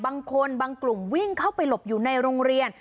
บางคนบางกลุ่มวิ่งเข้าไปหลบอยู่ในโรงเรียน